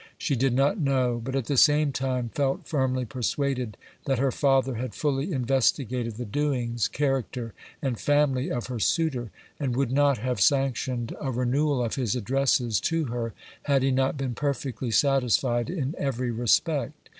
She did not know, but, at the same time, felt firmly persuaded that her father had fully investigated the doings, character and family of her suitor, and would not have sanctioned a renewal of his addresses to her had he not been perfectly satisfied in every respect.